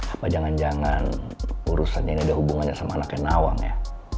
apa jangan jangan urusannya ini ada hubungannya sama anaknya nawang ya